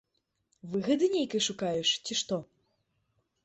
Выгады нейкай шукаеш, ці што?